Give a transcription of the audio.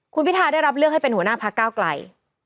คุณพิทาได้รับเลือกให้เป็นหัวหน้าพักก้าวไกล